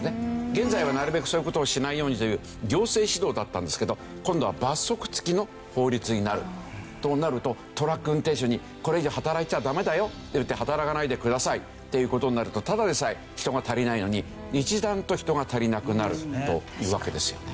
現在は「なるべくそういう事をしないように」という行政指導だったんですけど今度は罰則付きの法律になるとなるとトラック運転手に「これ以上働いちゃダメだよ」と言って働かないでくださいっていう事になるとただでさえ人が足りないのに一段と人が足りなくなるというわけですよね。